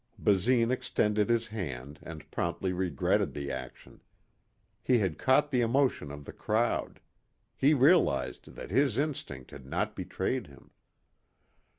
Basine extended his hand and promptly regretted the action. He had caught the emotion of the crowd. He realized that his instinct had not betrayed him.